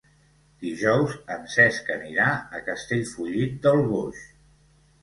Dijous en Cesc anirà a Castellfollit del Boix.